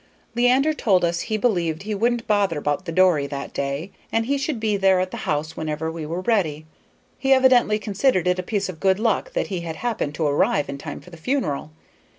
Leander told us he believed he wouldn't bother about the dory that day, and he should be there at the house whenever we were ready. He evidently considered it a piece of good luck that he had happened to arrive in time for the funeral.